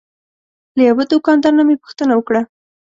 له یوه دوکاندار نه مې پوښتنه وکړه.